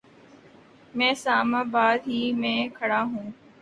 میں اسلام آباد ہی میں کھڑا ہوں